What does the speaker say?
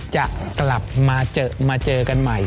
จะกลับมาเจอกันใหม่